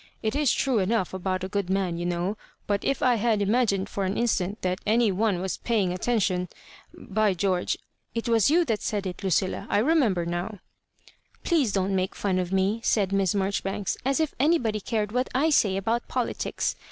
It is true enough about a good man, you know; but if I had imagined for an instant that any one was .paying attention By George 1 it was you that said it, Lucilla — I remember now." *^ Please don't make fun of me," said Misa Mar joribanks, "as if anybody cared what /say about politics.